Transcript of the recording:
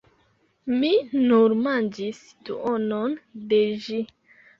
Mi nur manĝis duonon de ĝi!